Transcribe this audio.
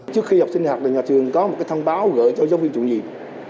trước khi học sinh học nhà trường có một thông báo gửi cho giáo viên trụ nhiệm